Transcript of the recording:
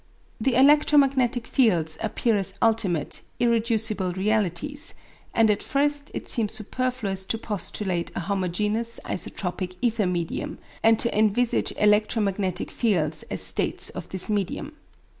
The electromagnetic fields appear as ultimate, irreducible realities, and at first it seems superfluous to postulate a homogeneous, isotropic ether medium, and to envisage electromagnetic fields as states of this medium.